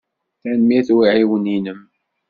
Tanemmirt i uɛiwen-inem.